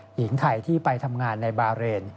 หญิงไทยที่ไปทำงานในบาเรน